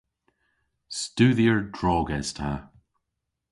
Studher drog es ta.